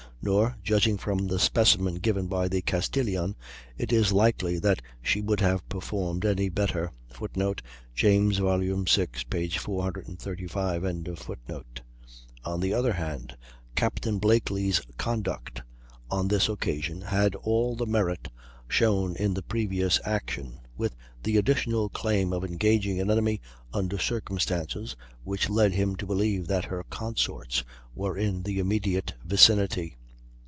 Nor, judging from the specimen given by the Castilian, is it likely that she would have performed any better." [Footnote: James, vi, 435.] On the other hand, "Capt. Blakely's conduct on this occasion had all the merit shown in the previous action, with the additional claim of engaging an enemy under circumstances which led him to believe that her consorts were in the immediate vicinity.